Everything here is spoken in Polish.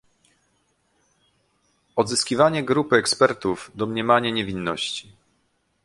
odzyskiwanie, grupy ekspertów, domniemanie niewinności